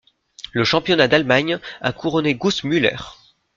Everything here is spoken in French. Le championnat d'Allemagne a couronné Gustl Müller.